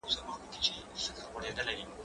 زه اجازه لرم چي پلان جوړ کړم؟